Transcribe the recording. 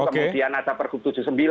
kemudian ada pergub tujuh puluh sembilan